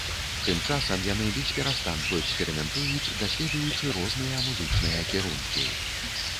Тым часам яны бесперастанку эксперыментуюць, даследуючы розныя музычныя кірункі.